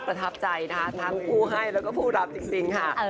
ประทับใจนะคะทั้งผู้ให้แล้วก็ผู้รับจริงค่ะ